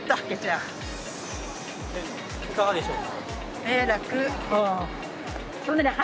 いかがでしょう？